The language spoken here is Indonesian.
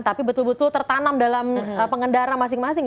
tapi betul betul tertanam dalam pengendara masing masing